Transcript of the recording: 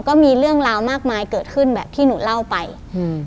ก็มีเรื่องราวมากมายเกิดขึ้นแบบที่หนูเล่าไปอืม